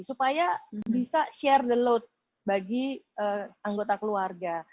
supaya bisa share the load bagi anggota keluarga